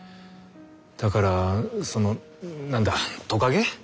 だからそのなんだトカゲ？